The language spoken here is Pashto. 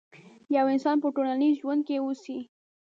يو انسان په ټولنيز ژوند کې اوسي.